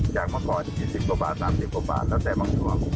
อย่างเมื่อก่อน๒๐กว่าบาท๓๐กว่าบาท